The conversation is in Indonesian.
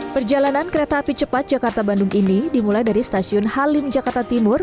perjalanan kereta api cepat jakarta bandung ini dimulai dari stasiun halim jakarta timur